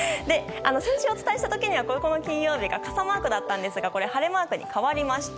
先週お伝えした時には金曜日が傘マークでしたが晴れマークに変わりました。